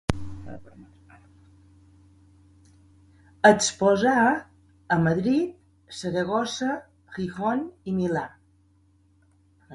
Exposà a Madrid, Saragossa, Gijón i Milà.